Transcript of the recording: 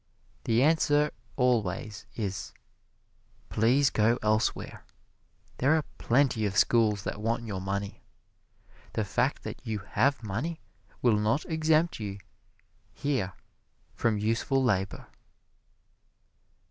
The answer always is: "Please go elsewhere there are plenty of schools that want your money. The fact that you have money will not exempt you here from useful labor."